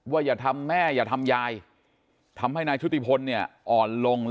อย่าทำแม่อย่าทำยายทำให้นายชุติพลเนี่ยอ่อนลง